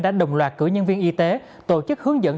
đã đồng loạt cử nhân viên y tế tổ chức hướng dẫn